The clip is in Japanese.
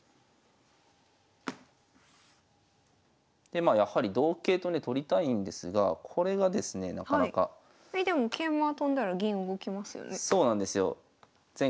でまあやはり同桂とね取りたいんですがこれがですねなかなか。えでも桂馬が跳んだら銀動きますよね。